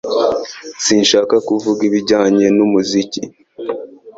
Sinshaka kuvuga ibijyanye n'umuziki